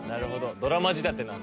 ドラマ仕立てなんだ。